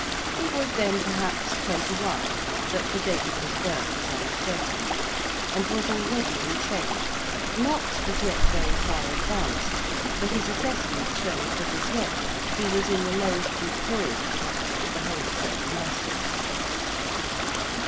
He was then perhaps twenty one but the date of his birth is uncertain and was already in trade, not, as yet, very far advanced, for his assessment shows that as yet he was in the lowest and poorest class of the wholesale Mercers.